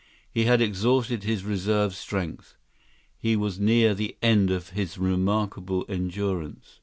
He had exhausted his reserve strength. He was near the end of his remarkable endurance.